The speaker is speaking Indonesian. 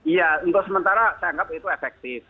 iya untuk sementara saya anggap itu efektif